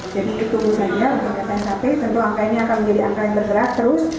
jadi itu saja untuk tps hp tentu angkanya akan menjadi angka yang bergerak terus